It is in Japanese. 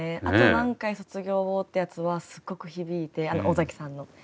「あと何回卒業を」ってやつはすごく響いて尾崎さんの。